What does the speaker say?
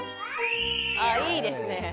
あいいですね。